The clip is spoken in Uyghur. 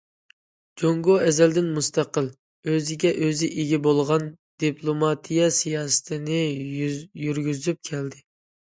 جۇڭگو ئەزەلدىن مۇستەقىل، ئۆزىگە ئۆزى ئىگە بولغان دىپلوماتىيە سىياسىتىنى يۈرگۈزۈپ كەلدى.